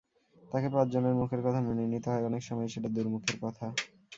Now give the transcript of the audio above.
তাকে পাঁচজনের মুখের কথা মেনে নিতে হয়, অনেক সময়ই সেটা দুর্মুখের কথা।